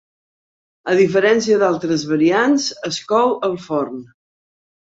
A diferència d'altres variants, es cou al forn.